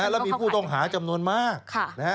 แล้วมีผู้ต้องหาจำนวนมาก